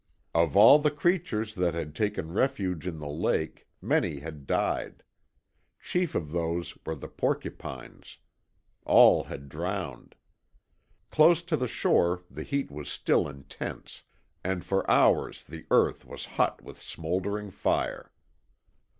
Of all the creatures that had taken refuge in the lake many had died. Chief of those were the porcupines. All had drowned. Close to the shore the heat was still intense, and for hours the earth was hot with smouldering fire.